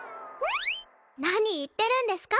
何言ってるんですか！